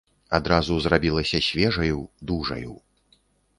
Адразу зрабілася свежаю, дужаю.